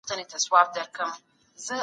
د بدن حرکت انسان ته پوره سکون بخښي.